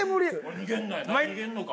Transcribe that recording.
逃げんのか？